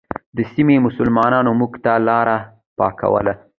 د سیمې مسلمانانو موږ ته لاره پاکوله.